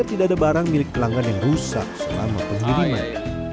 tapi tidak ada barang milik pelanggan yang rusak selama pengiriman